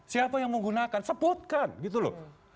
siapa yang menggunakan sebutkan gitu loh